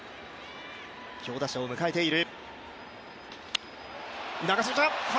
強打者を迎えている。